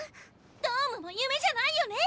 ドームも夢じゃないよね！